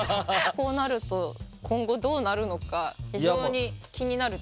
こうなると今後どうなるのか非常に気になるところですね。